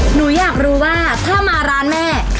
หนูอยากรู้ว่าถ้ามาร้านแม่